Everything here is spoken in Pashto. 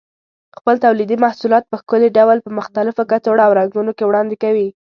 خپل تولیدي محصولات په ښکلي ډول په مختلفو کڅوړو او رنګونو کې وړاندې کوي.